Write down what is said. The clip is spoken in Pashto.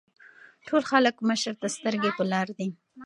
ټول خلک مشر ته سترګې پۀ لار دي ـ